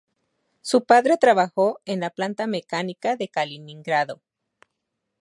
Su padre trabajó en la Planta Mecánica de Kaliningrado.